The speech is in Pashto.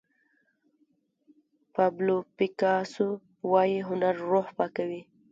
پابلو پیکاسو وایي هنر روح پاکوي.